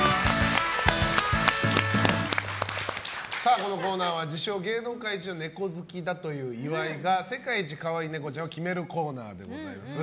このコーナーは自称芸能界イチのネコ好きだという岩井が世界一可愛いネコちゃんを決めるコーナーでございます。